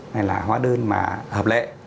hay là hóa đơn mà hợp lệ